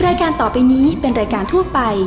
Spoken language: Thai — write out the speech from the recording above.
รายการต่อไปนี้เป็นรายการทั่วไป